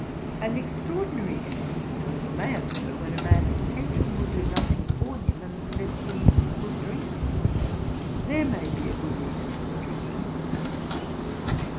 An extraordinary instance however may occur where a man's patron will do nothing for him, unless he will drink: there may be a good reason for drinking.'